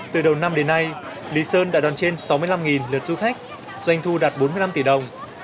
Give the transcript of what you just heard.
từ đầu năm đến nay lý sơn đã đón trên sáu mươi năm lượt du khách doanh thu đạt bốn mươi năm tỷ đồng